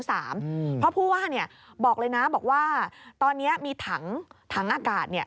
เพราะผู้ว่าบอกเลยนะบอกว่าตอนนี้มีถังอากาศ